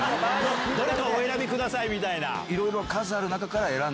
どれかお選びください！みたいな。